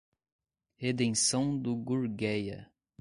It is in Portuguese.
Redenção do Gurgueia